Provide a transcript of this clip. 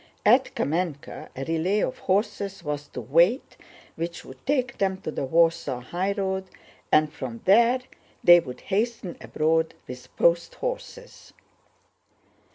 At Kámenka a relay of horses was to wait which would take them to the Warsaw highroad, and from there they would hasten abroad with post horses.